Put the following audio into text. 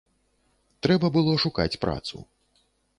Трэба было шукаць працу.